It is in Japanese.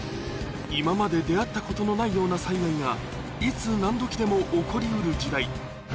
今まで出合ったことのないような災害がいつ何時でも起こり得る時代